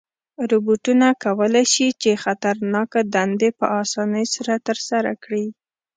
روبوټونه کولی شي چې خطرناکه دندې په آسانۍ سره ترسره کړي.